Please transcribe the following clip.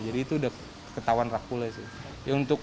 jadi itu udah ketahuan rug pull nya sih